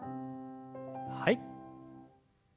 はい。